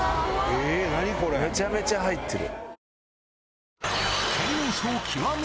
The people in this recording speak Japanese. めちゃめちゃ入ってる。